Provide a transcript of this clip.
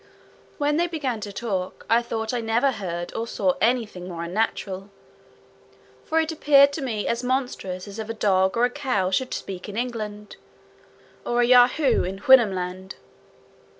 When they began to talk, I thought I never heard or saw any thing more unnatural; for it appeared to me as monstrous as if a dog or a cow should speak in England, or a Yahoo in Houyhnhnmland.